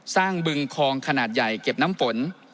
บึงคลองขนาดใหญ่เก็บน้ำฝน